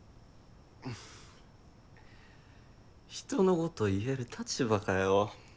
フッ人のこと言える立場かよ